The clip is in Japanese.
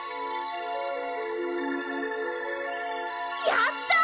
やった！